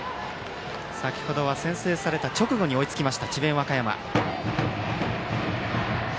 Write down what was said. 先程は先制された直後に追いつきました、智弁和歌山。